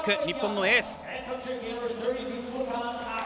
日本のエース。